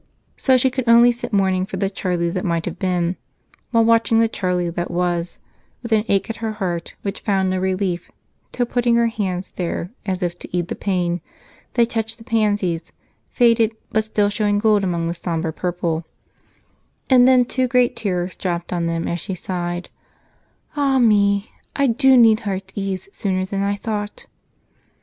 So she could only sit mourning for the Charlie that might have been while watching the Charlie that was with an ache in her heart which found no relief till, putting her hands there as if to ease the pain, they touched the pansies, faded but still showing gold among the somber purple, and then two great tears dropped on them as she sighed: "Ah, me! I do need heart's ease sooner than I thought!"